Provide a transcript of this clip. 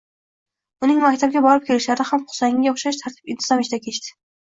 Ularning maktabga borib-kelishlari ham Husayinga o'xshash tartib-intizom ichida kechdi.